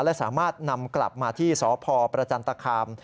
และสามารถนำกลับมาที่สพประจันตคาม